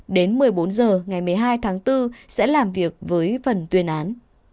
đến một mươi bốn h ngày một mươi hai tháng bốn sẽ làm việc với phần tuyên án